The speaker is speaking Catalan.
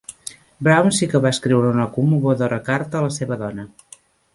Brown sí que va escriure una commovedora carta a la seva dona.